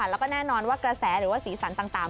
แล้วก็แน่นอนว่ากระแสหรือว่าสีสันต่าง